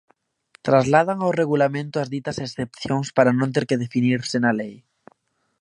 Trasladan ao regulamento as ditas excepcións para non ter que definirse na lei.